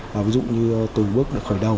ví dụ như từ bước khởi đầu